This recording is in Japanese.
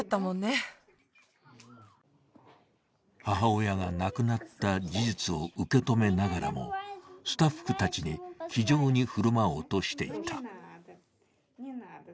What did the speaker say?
母親が亡くなった事実を受け止めながらもスタッフたちに気丈に振る舞おうとしていた。